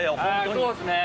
そうですね。